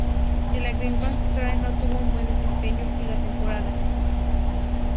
El Accrington Stanley no tuvo un buen desempeño en la temporada.